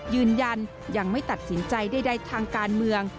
ยืนยันยังไม่ตัดสินใจใดทางการเมือง